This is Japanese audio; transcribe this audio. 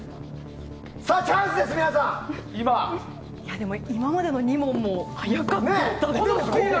でも、今までの２問も早かったですよ。